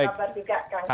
baik juga kang saan